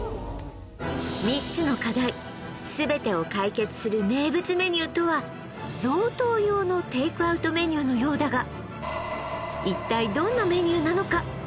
３つの課題全てを解決する名物メニューとは贈答用のテイクアウトメニューのようだが一体どんなメニューなのか？